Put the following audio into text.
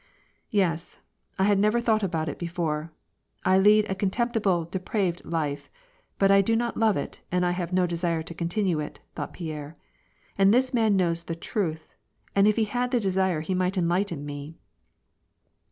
" Yes, I had never thought about it before, I lead a contempt ible, depraved life, but I do not love it, and I have no desire to continue it," thought Pierre. "And this man knows the truth, and if he had the desire he might enlighten me."